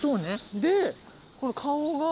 でこの顔が。